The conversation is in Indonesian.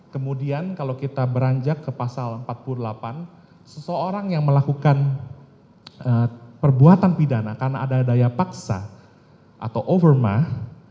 kemudian kalau kita beranjak ke pasal empat puluh delapan seseorang yang melakukan perbuatan pidana karena ada daya paksa atau overmah